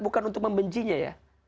bukan untuk membencinya ya